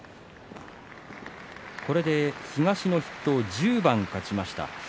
これで東の筆頭１０番勝ちました。